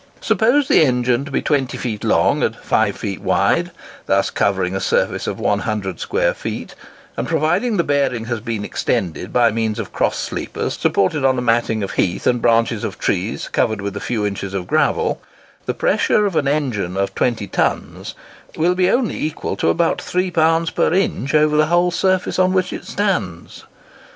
Suppose the engine to be 20 feet long and 5 feet wide, thus covering a surface of 100 square feet, and, provided the bearing has been extended by means of cross sleepers supported on a matting of heath and branches of trees covered with a few inches of gravel, the pressure of an engine of 20 tons will be only equal to about 3 pounds per inch over the whole surface on which it stands.